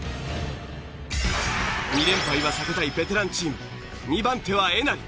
２連敗は避けたいベテランチーム２番手はえなり。